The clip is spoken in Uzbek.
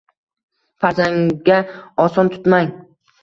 Farzandga oson tutmang.